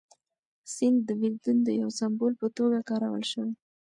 سیند د بېلتون د یو سمبول په توګه کارول شوی.